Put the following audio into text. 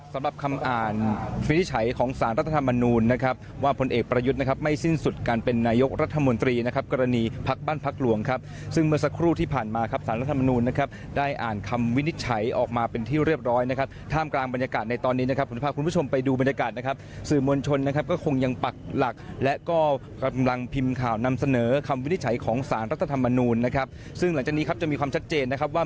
สำหรับคำอ่านวินิจฉัยของสารรัฐธรรมนูลนะครับว่าผลเอกประยุทธนะครับไม่สิ้นสุดการเป็นนายกรัฐมนตรีนะครับกรณีพักบ้านพักหลวงครับซึ่งเมื่อสักครู่ที่ผ่านมาครับสารรัฐธรรมนูลนะครับได้อ่านคำวินิจฉัยออกมาเป็นที่เรียบร้อยนะครับท่ามกลางบรรยากาศในตอนนี้นะครับผมพาคุณผู้ชมไปดูบรรยากา